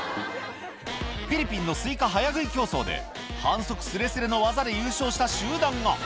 フィリピンのスイカ早食い競争で、反則すれすれの技で優勝した集団が。